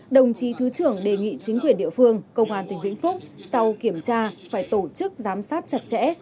đồng chí thứ trưởng đề nghị chính quyền địa phương công an tỉnh vĩnh phúc sau kiểm tra phải tổ chức giám sát chặt chẽ